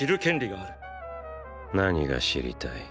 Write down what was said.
何が知りたい？